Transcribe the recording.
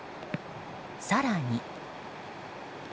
更に。